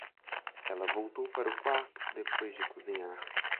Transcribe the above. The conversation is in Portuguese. Ela voltou para o quarto depois de cozinhar.